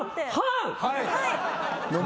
はい。